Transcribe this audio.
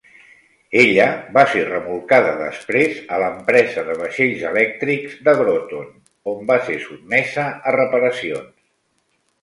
Ella va ser remolcada després a l'empresa de vaixells elèctrics de Groton, on va ser sotmesa a reparacions.